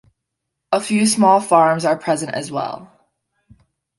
A few small farms are present as well.